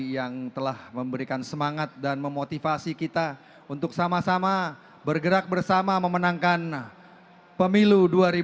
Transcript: yang telah memberikan semangat dan memotivasi kita untuk sama sama bergerak bersama memenangkan pemilu dua ribu dua puluh